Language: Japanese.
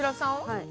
はい。